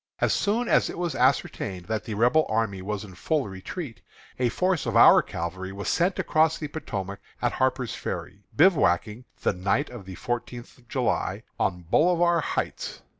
As soon as it was ascertained that the Rebel army was in full retreat, a force of our cavalry was sent across the Potomac at Harper's Ferry, bivouacking, the night of the fourteenth of July, on Bolivar Heights.